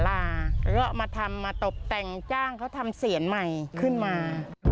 แล้วก็มาทำมาตบแต่งจ้างเขาทำเสียงใหม่ขึ้นมา